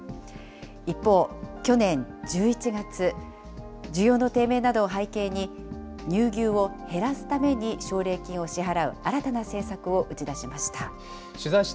一方、去年１１月、需要の低迷などを背景に、乳牛を減らすために奨励金を支払う、新たな政策を打ち出しました。